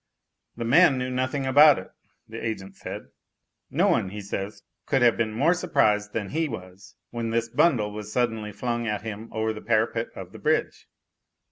"The man knew nothing about it," the agent said. "No one, he says, could have been more surprised than he was when this bundle was suddenly flung at him over the parapet of the bridge."